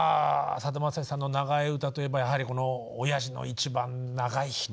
さだまさしさんの長い歌といえばやはりこの「親父の一番長い日」と。